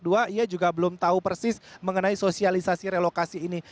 dia juga belum tahu persis mengenai sosialisasi relokasi ini